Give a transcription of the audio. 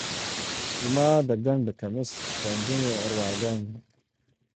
زما د ګنډ کمیس رنګینې ارواګانې،